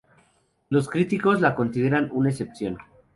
Los críticos la consideran una excepción.